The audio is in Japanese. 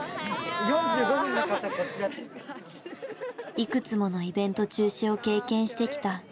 いくつものイベント中止を経験してきた１８歳世代。